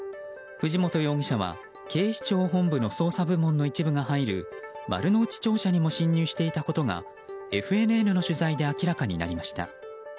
藤本容疑者は警視庁本部の捜査部門の一部が入る丸の内庁舎にも侵入していたことがＦＮＮの取材で明らかになりました。